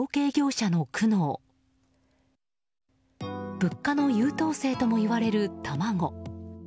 物価の優等生ともいわれる卵。